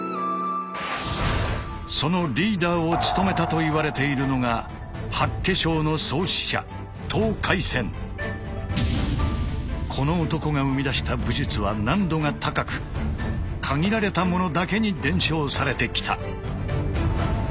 そのリーダーを務めたといわれているのがこの男が生み出した武術は難度が高く限られた者だけに伝承されてきた。